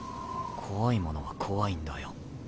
怖いものは怖いんだよ。